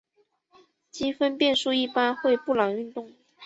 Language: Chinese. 积分变数一般会布朗运动。